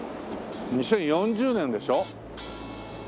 ２０４０年でしょ？